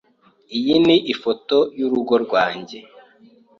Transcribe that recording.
Iyi ni ifoto y'urugo rwanjye.